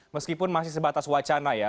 meskipun masih sebatas wacana ya